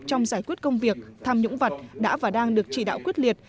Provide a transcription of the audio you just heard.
trong giải quyết công việc tham nhũng vật đã và đang được chỉ đạo quyết liệt